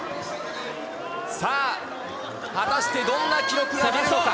さあ、果たしてどんな記録が出るのか。